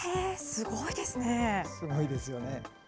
すごいですよね。